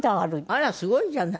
あらすごいじゃない。